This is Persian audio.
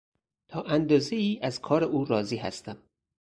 تا اندازهای از کار او راضی هستم.